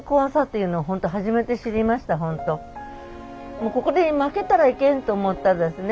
もうここで負けたらいけんと思ったですね。